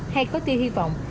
hay có tia hy vọng